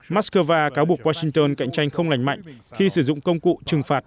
moscow cáo buộc washington cạnh tranh không lành mạnh khi sử dụng công cụ trừng phạt